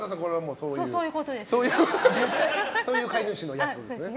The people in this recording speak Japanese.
そういう飼い主のやつですね。